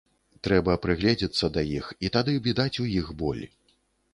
Трэба прыгледзецца да іх, і тады відаць у іх боль.